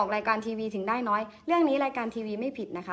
รายการทีวีถึงได้น้อยเรื่องนี้รายการทีวีไม่ผิดนะคะ